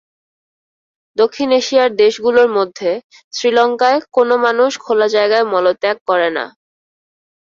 দক্ষিণ এশিয়ার দেশগুলোর মধ্যে শ্রীলঙ্কায় কোনো মানুষ খোলা জায়গায় মলত্যাগ করে না।